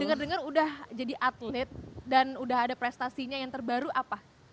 dengar dengar udah jadi atlet dan udah ada prestasinya yang terbaru apa